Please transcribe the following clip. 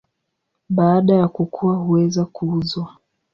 Baada ya kukua huweza kuuzwa.